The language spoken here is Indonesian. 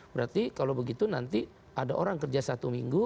berarti kalau begitu nanti ada orang kerja satu minggu